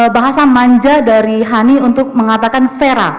bahasa manja dari hani untuk mengatakan vera